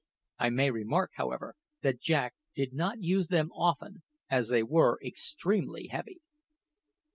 I may remark, however, that Jack did not use them often, as they were extremely heavy.